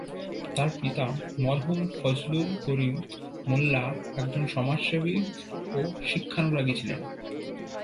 তার পিতা মরহুম ফজলুল করিম মোল্লা একজন সমাজসেবী ও শিক্ষানুরাগী ছিলেন।